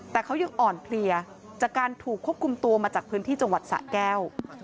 แต่เขายังอ่อนเพลียจากการถูกควบคุมตัวมาจากพื้นที่จังหวัดสะแก้ว